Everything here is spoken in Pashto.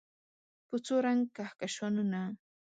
په څو رنګ کهکشانونه